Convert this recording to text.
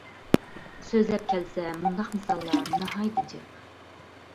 سۆزلەپ كەلسە مۇنداق مىساللار ناھايىتى جىق.